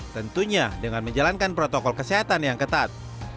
tentunya dengan menjalankan protokol kesehatan yang ketat